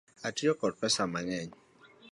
Atiyo kod pesa mang'eny .